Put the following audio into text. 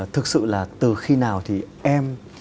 thực sự là từ khi nào thì em